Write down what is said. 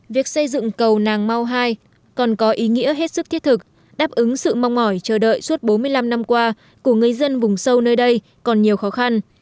việc xây dựng cầu nàng mau hai còn có ý nghĩa hết sức thiết thực đáp ứng sự mong mỏi chờ đợi suốt bốn mươi năm năm qua của người dân vùng sâu nơi đây còn nhiều khó khăn